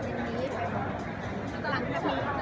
พี่แม่ที่เว้นได้รับความรู้สึกมากกว่า